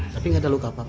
tapi gak ada luka apa apa